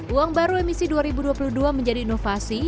uang baru emisi dua ribu dua puluh dua menjadi inovasi